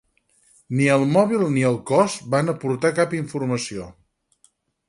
Ni el mòbil ni el cos van aportar cap informació.